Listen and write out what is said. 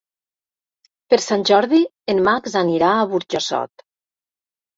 Per Sant Jordi en Max anirà a Burjassot.